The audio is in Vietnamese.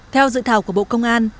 theo dự thảo của bộ công an